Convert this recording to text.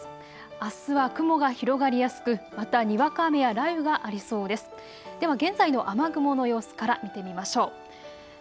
あすは雲が広がりやすく、またにわか雨や雷雨がありそうです。